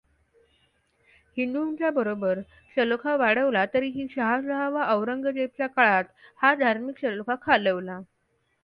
हिंदूच्या बरोबर सलोखा वाढवला तरीही शाहजहाँ व औरंगजेबच्या काळात हा धार्मिक सलोखा खालवला.